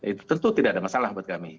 itu tentu tidak ada masalah buat kami